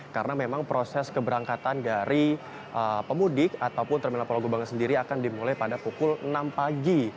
karena memang proses keberangkatan dari pemudik ataupun terminal pulau gebang sendiri akan dimulai pada pukul enam pagi